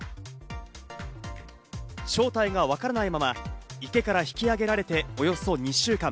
正体がわからないまま、池から引き揚げられておよそ２週間。